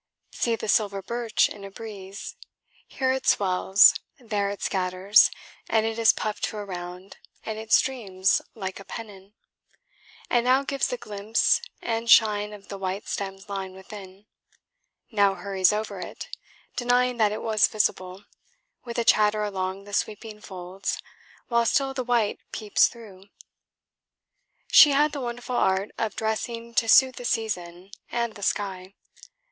See the silver birch in a breeze: here it swells, there it scatters, and it is puffed to a round and it streams like a pennon, and now gives the glimpse and shine of the white stem's line within, now hurries over it, denying that it was visible, with a chatter along the sweeping folds, while still the white peeps through. She had the wonderful art of dressing to suit the season and the sky.